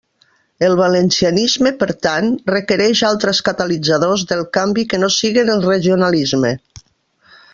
El valencianisme, per tant, requereix altres catalitzadors del canvi que no siguen el regionalisme.